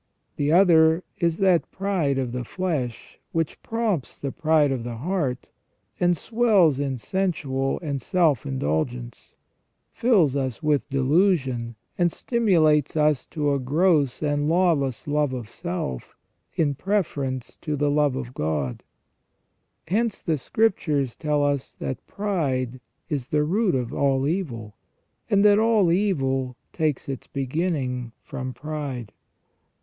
The other is THE RESTORATION OF MAN. 337 that pride of the flesh which prompts the pride of the heart, and swells in sensual and self indulgence ; fills us with delusion, and stimulates us to a gross and lawless love of self in preference to the love of God. Hence the Scriptures tell us that pride is the root of all evil, and that all evil takes its beginning from pride.